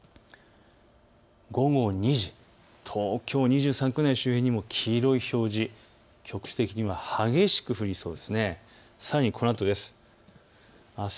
午後２時、東京２３区内の周辺にも黄色い表示、局地的には激しく降りそうです。